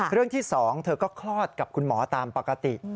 เรื่องที่๒เธอก็คลอดกับคุณหมอตามปกติ